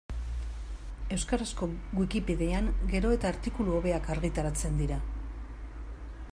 Euskarazko Wikipedian gero eta artikulu hobeak argitaratzen dira.